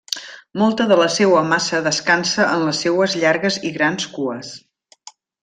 Molta de la seua massa descansa en les seues llargues i grans cues.